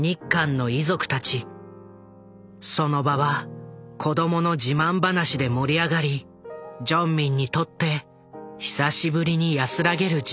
その場は子どもの自慢話で盛り上がりジョンミンにとって久しぶりに安らげる時間となった。